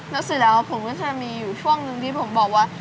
นักศึกแล้วผมก็จะมีอยู่ช่วงหนึ่งที่ผมบอกว่า